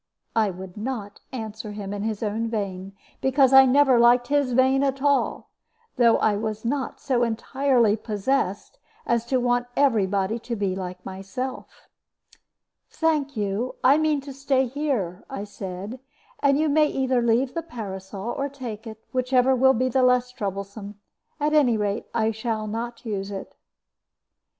I would not answer him in his own vein, because I never liked his vein at all; though I was not so entirely possessed as to want every body to be like myself. "Thank you; I mean to stay here," I said; "you may either leave the parasol or take it, whichever will be less troublesome. At any rate, I shall not use it."